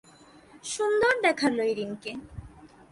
সুন্দর দেখাল এরিনকে।